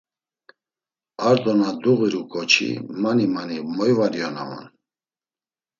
Ar do na duğiru ǩoçi, mani mani moy var iyonaman.